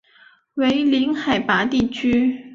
为零海拔地区。